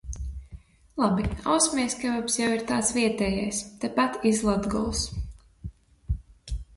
Labi, Ausmeņas kebabs jau ir tāds vietējais, tepat iz Latgols.